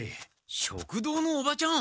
食堂のおばちゃん！